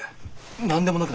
何でもなくない。